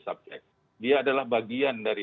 subjek dia adalah bagian dari